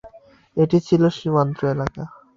এটি ছিলো সীমান্ত এলাকা।